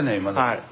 はい。